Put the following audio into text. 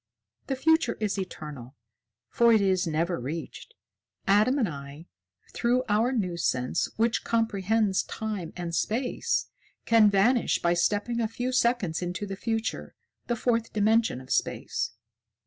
The future is eternal, for it is never reached. Adam and I, through our new sense which comprehends Time and Space, can vanish by stepping a few seconds into the future, the Fourth Dimension of Space.